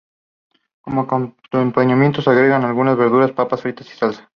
Como acompañamiento, se agregan algunas verduras papás fritas y salsas.